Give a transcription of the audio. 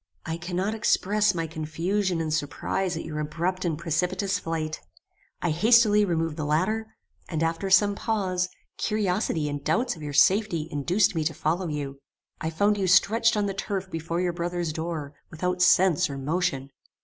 "I cannot express my confusion and surprize at your abrupt and precipitate flight. I hastily removed the ladder; and, after some pause, curiosity and doubts of your safety induced me to follow you. I found you stretched on the turf before your brother's door, without sense or motion.